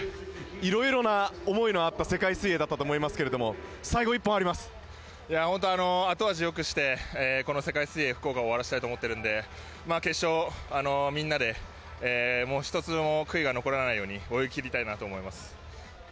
色々な思いのあった世界水泳だったと思いますが後味よくしてこの世界水泳福岡を終わらせたいと思っているので決勝、みんなで一つも悔いが残らないように泳ぎ切りたいと思います。